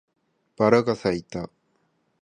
バラが咲いた